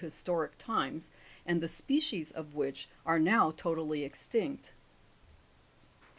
historic times, and the species of which are now totally extinct.